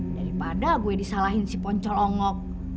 daripada gue disalahin si poncol ongok